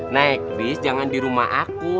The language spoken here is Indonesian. naik bis jangan di rumah aku